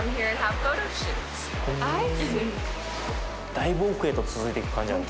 だいぶ奥へと続いていく感じあるね。